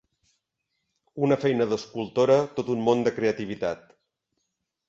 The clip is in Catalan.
Una feina d'escultora, tot un món de creativitat.